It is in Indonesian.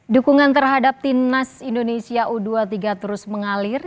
dukungan terhadap timnas indonesia u dua puluh tiga terus mengalir